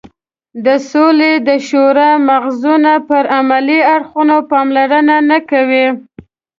د سولې د شورا مغزونه پر عملي اړخونو پاملرنه نه کوي.